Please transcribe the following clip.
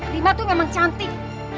lima tuh emang cantik